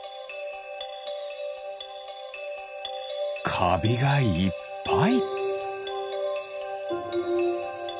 かびがいっぱい。